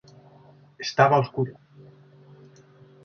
Estaba oscuro.